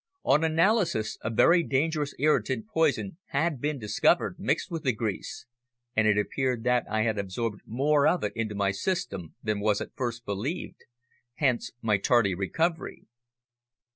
On analysis a very dangerous irritant poison had been discovered mixed with the grease, and it appeared that I had absorbed more of it into my system than was at first believed hence my tardy recovery.